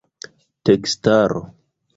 tekstaro